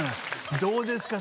どうですか？